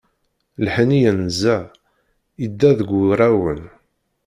Lḥenni yenza, yedda deg wurawen.